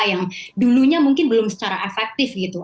yang dulunya mungkin belum secara efektif gitu